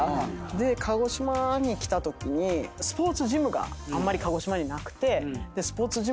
で鹿児島に来たときにスポーツジムがあんまり鹿児島になくて。